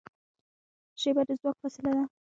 شیبه د ځواک فاصله ده.